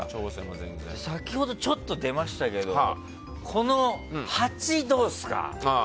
先ほどちょっと出ましたけどこの８はどうですか？